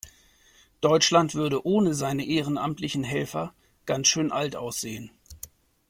Deutschland würde ohne seine ehrenamtlichen Helfer ganz schön alt aussehen.